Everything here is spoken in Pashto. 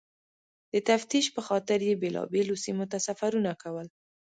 د تفتیش پخاطر یې بېلابېلو سیمو ته سفرونه کول.